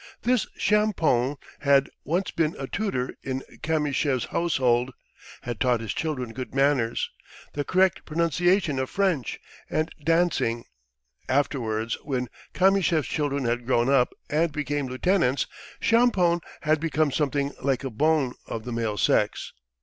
This Champoun had once been a tutor in Kamyshev's household, had taught his children good manners, the correct pronunciation of French, and dancing: afterwards when Kamyshev's children had grown up and become lieutenants, Champoun had become something like a bonne of the male sex.